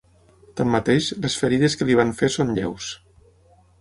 Tanmateix, les ferides que li van fer són lleus.